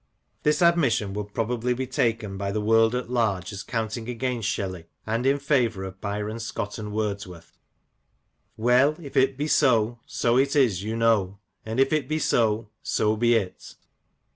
This admission would probably be taken by THE MASK OF ANARCHY. 29 the world at large as counting against Shelley and in favour of Byron, Scott, and Wordsworth. Well, if it be so, so it is, you know ; And if it be so — so be it